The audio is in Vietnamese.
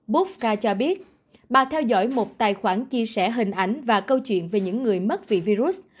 boodca cho biết bà theo dõi một tài khoản chia sẻ hình ảnh và câu chuyện về những người mất vì virus